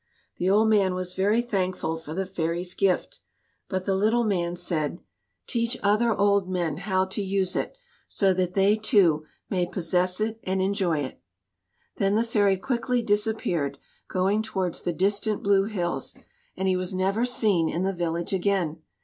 The old man was very thankful for the fairy's gift. But the little man said, "Teach other old men how to use it, so that they, too, may possess it and enjoy it." Then the fairy quickly disappeared, going towards the distant blue hills, and he was never seen in the village again.